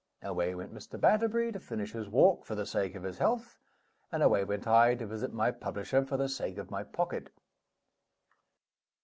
Away went Mr. Batterbury to finish his walk for the sake of his health, and away went I to visit my publisher for the sake of my pocket.